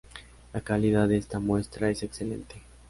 La calidad de esta muestra es excelente.